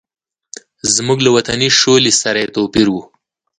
زموږ له وطني شولې سره یې توپیر و.